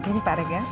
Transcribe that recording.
gini pak regar